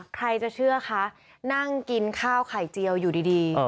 ใครจะเชื่อคะนั่งกินข้าวไข่เจียวอยู่ดี